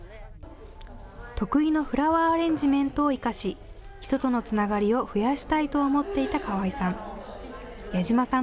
得意のフラワーアレンジメントを生かし、人とのつながりを増やしたいと思っていた川合さん。